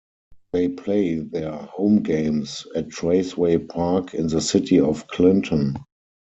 They play their home games at Traceway Park in the city of Clinton.